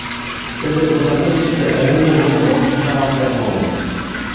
Тӹдӹ Будапештӹштӹ ӹлӹмӹжӹ годымок тӹ шамаквлӓм колын...